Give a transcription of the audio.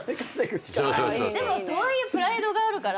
いいねいいね。とはいえプライドがあるから。